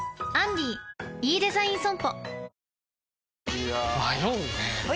いや迷うねはい！